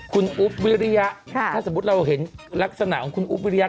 คุณอุ๊บวิริยะถ้าสมมุติเราเห็นลักษณะของคุณอุ๊บวิริยะ